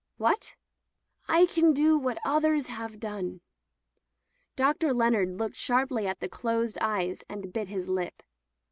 "What?" "I can do what others have done." Dr. Leonard looked sharply at the closed eyes and bit his lip.